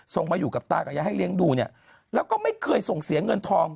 มาอยู่กับตากับยายให้เลี้ยงดูเนี่ยแล้วก็ไม่เคยส่งเสียเงินทอง